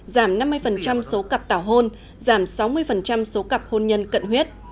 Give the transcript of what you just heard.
giảm năm mươi số cặp tảo hôn giảm sáu mươi số cặp hôn nhân cận huyết